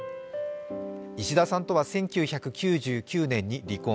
石田さんとは１９９９年に離婚。